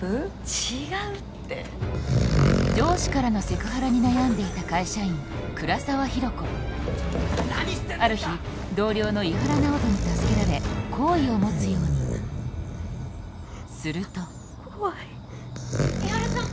違うって上司からのセクハラに悩んでいた会社員倉沢比呂子ある日同僚の伊原直人に助けられ好意を持つようにすると怖い伊原さん